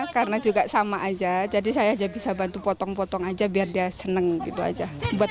karena juga sama aja jadi saya aja bisa bantu potong potong aja biar dia seneng gitu aja buat